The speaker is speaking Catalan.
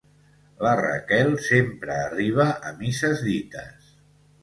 La Raquel sempre arriba a misses dites.